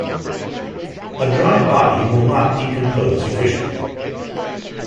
A dry body will not decompose efficiently.